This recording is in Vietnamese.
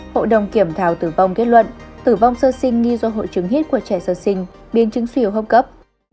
hội đồng kiểm thảo tử vong kết luận tử vong sơ sinh nghi do hội chứng hít của trẻ sơ sinh biến chứng siêu hô hấp cấp